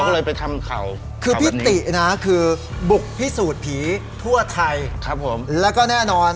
อ๋อเหรอคือพี่ตินะคือบุกพิสูจน์ผีทั่วไทยแล้วก็แน่นอน